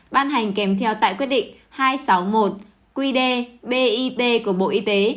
ban hành kèm theo tại quyết định hai trăm sáu mươi một qdbit của bộ y tế